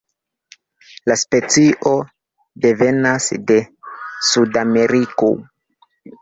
La specio devenas de Sudameriko.